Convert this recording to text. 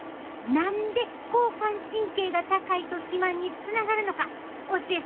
何で交感神経が高いと肥満につながるのか教えたろ！